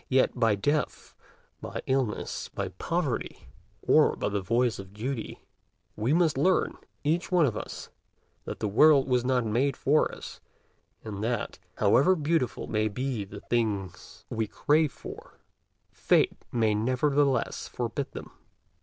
Yet, by death, by illness, by poverty, or by the voice of duty, we must learn, each one of us, that the world was not made for us, and that, however beautiful may be the things we crave for, Fate may nevertheless forbid them.